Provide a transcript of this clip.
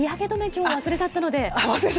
今日、忘れちゃったので。